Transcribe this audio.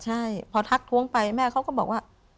ใช่พอทักท้วงไปแม่เขาก็บอกว่า